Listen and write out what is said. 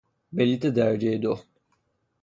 بلیط درجهی دو